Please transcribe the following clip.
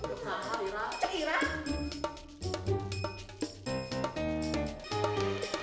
udah sama lirap